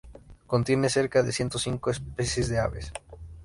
Contiene cerca de ciento cinco especies de aves.